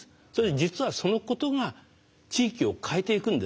実はそのことが地域を変えていくんですよ。